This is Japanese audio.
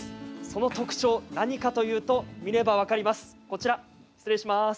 その特徴、何かというと見れば分かります。